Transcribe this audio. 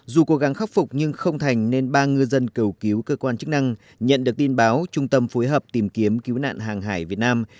dù cố gắng khắc phục nhưng không thành nên ba ngư dân cầu cứu cơ quan chức năng nhận được tin báo trung tâm phối hợp tìm kiếm cứu nạn hàng hải việt nam